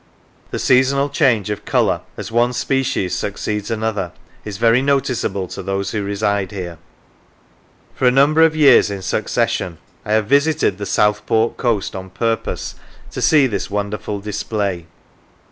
The seasonal change of colour as one species succeeds another is very noticeable to those who reside here. For a number of years in succession I have visited the Southport coast on purpose to see this wonderful display.